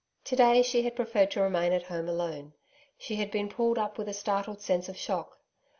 To day, she had preferred to remain at home alone. She had been pulled up with a startled sense of shock.